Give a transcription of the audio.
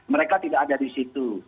mereka tidak ada di situ